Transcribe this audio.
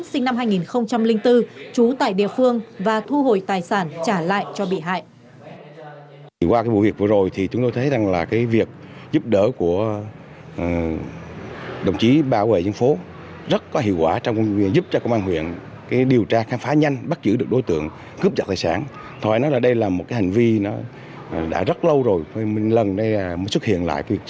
sinh năm hai nghìn bốn trú tại địa phương và thu hồi tài sản trả lại cho bị hại